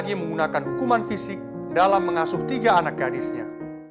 lagi menggunakan hukuman fisik dalam mengasuh tiga anak gadisnya